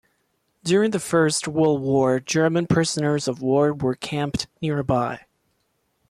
During the first World War German prisoners of war were camped nearby.